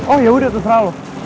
oh ya udah terserah lo